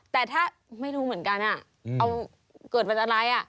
แต่ถ้าไม่รู้เหมือนกันอ่ะอืมเอาเกิดวันอะไรอ่ะ